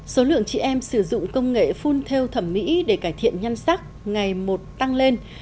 số lượng chị em sử dụng công nghệ phun theo thẩm mỹ để cải thiện nhân sắc ngày một tăng lên